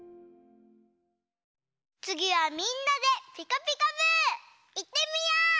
つぎはみんなで「ピカピカブ！」いってみよう！